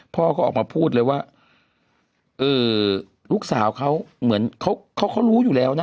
พ่อก็ออกมาพูดเลยว่าลูกสาวเขาเขารู้อยู่แล้วนะ